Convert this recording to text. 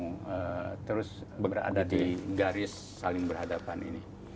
kita mau terus berada di garis saling berhadapan ini